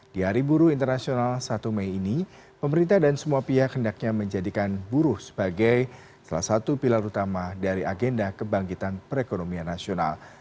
di hari buruh internasional satu mei ini pemerintah dan semua pihak hendaknya menjadikan buruh sebagai salah satu pilar utama dari agenda kebangkitan perekonomian nasional